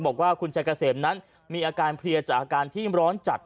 บอกว่าคุณชายเกษมนั้นมีอาการเพลียจากอาการที่ร้อนจัด